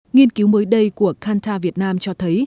nghiên cứu mới đây của canta việt nam cho thấy